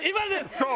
そう。